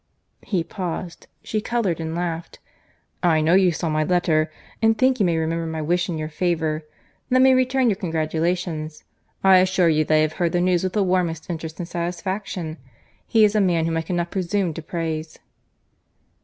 He paused.—She coloured and laughed.—"I know you saw my letter, and think you may remember my wish in your favour. Let me return your congratulations.—I assure you that I have heard the news with the warmest interest and satisfaction.—He is a man whom I cannot presume to praise."